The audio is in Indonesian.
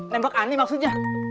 nembak ani maksudnya